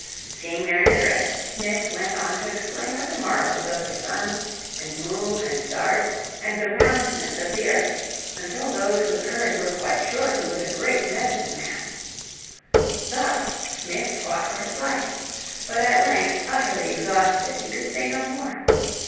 Seeing their interest Smith went on to explain other marvels of the sun, and moon, and stars, and the roundness of the earth, until those who heard were quite sure he was a great "medicine man." Thus Smith fought for his life. But at length utterly exhausted, he could say no more.